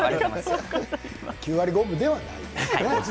９割５分ではないですね。